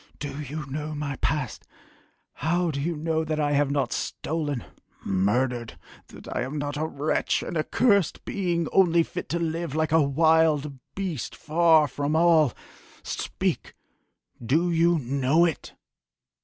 Do you know my past?... How do you know that I have not stolen, murdered that I am not a wretch an accursed being only fit to live like a wild beast far from all speak do you know it?"